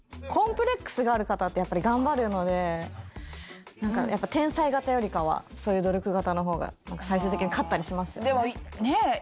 コンプレックスがある方ってやっぱり頑張るので何かやっぱ天才型よりかはそういう努力型の方が最終的に勝ったりしますよねでもねえ？